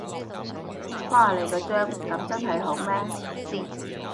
誇你個張，噉真係好咩？